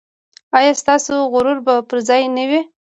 ایا ستاسو غرور به پر ځای نه وي؟